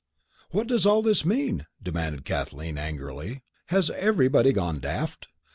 "What does all this mean?" demanded Kathleen, angrily. "Has everybody gone daft?